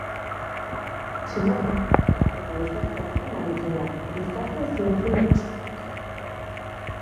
Txinatar kultura eta gizarte arloan aritzen da, gizarte zientzien ikuspuntutik.